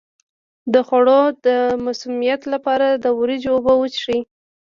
د خوړو د مسمومیت لپاره د وریجو اوبه وڅښئ